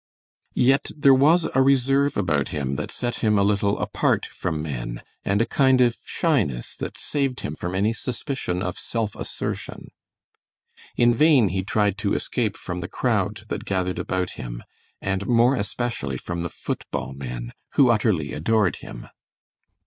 Yet there was a reserve about him that set him a little apart from men, and a kind of shyness that saved him from any suspicion of self assertion. In vain he tried to escape from the crowd that gathered about him, and more especially from the foot ball men, who utterly adored him.